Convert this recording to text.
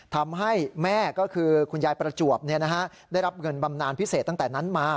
ทำให้แม่ก็คือคุณยายประจวบได้รับเงินบำนานพิเศษตั้งแต่นั้นมา